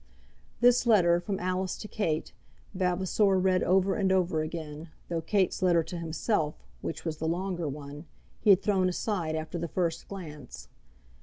This letter from Alice to Kate, Vavasor read over and over again, though Kate's letter to himself, which was the longer one, he had thrown aside after the first glance.